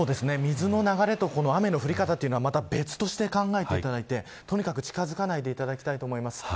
水の流れと雨の降り方は別として考えていただいてとにかく近づかないでいただきたいと思います。